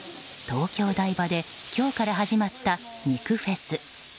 東京・台場で今日から始まった肉フェス。